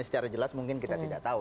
secara jelas mungkin kita tidak tahu